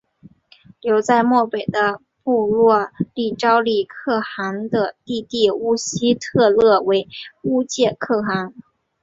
留在漠北的部落立昭礼可汗的弟弟乌希特勒为乌介可汗。